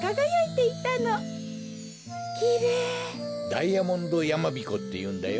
ダイヤモンドやまびこっていうんだよ。